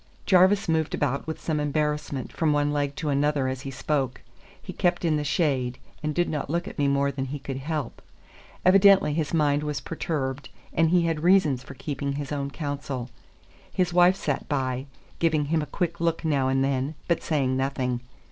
Jarvis moved about with some embarrassment from one leg to another as he spoke. He kept in the shade, and did not look at me more than he could help. Evidently his mind was perturbed, and he had reasons for keeping his own counsel. His wife sat by, giving him a quick look now and then, but saying nothing.